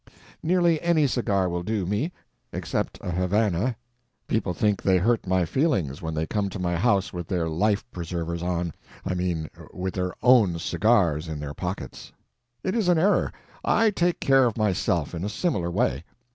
Nearly any cigar will do me, except a Havana. People think they hurt my feelings when they come to my house with their life preservers on—I mean, with their own cigars in their pockets. It is an error; I take care of myself in a similar way.